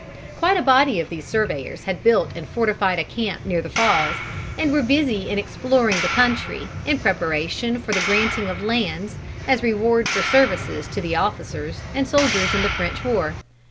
Quite a body of these surveyors had built and fortified a camp near the Falls, and were busy in exploring the country, in preparation for the granting of lands as rewards for services to the officers and soldiers in the French war.